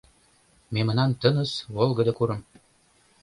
Мемнан тыныс, волгыдо курым